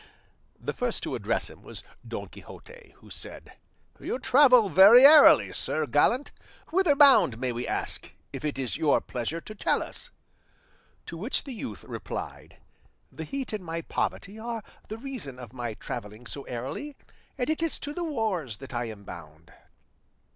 The first to address him was Don Quixote, who said, "You travel very airily, sir gallant; whither bound, may we ask, if it is your pleasure to tell us?" To which the youth replied, "The heat and my poverty are the reason of my travelling so airily, and it is to the wars that I am bound."